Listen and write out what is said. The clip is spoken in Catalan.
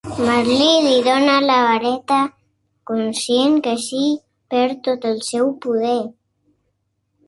Merlí li dóna la vareta, conscient que així perd tot el seu poder.